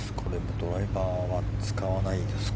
ドライバーは使わないですか。